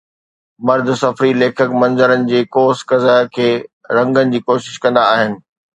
مرد سفري ليکڪ منظرن جي قوس قزح کي رنگڻ جي ڪوشش ڪندا آهن